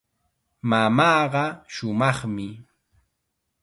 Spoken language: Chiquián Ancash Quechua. Mamaaqa shumaqmi.